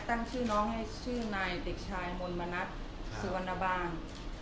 ตั้งชื่อน้องให้ชื่อนายเด็กชายมนมณัฐสุวรรณบาง